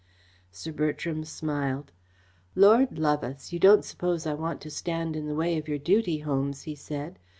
Sir Bertram smiled. "Lord love us, you don't suppose I want to stand in the way of your duty, Holmes?" he said.